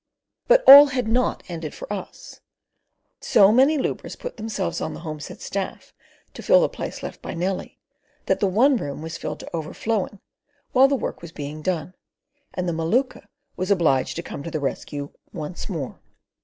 But all had not ended for us. So many lubras put themselves on the homestead staff to fill the place left vacant by Nellie, that the one room was filled to overflowing while the work was being done, and the Maluka was obliged to come to the rescue once more.